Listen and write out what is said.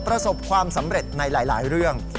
ประสบความสำเร็จในหลายเรื่อง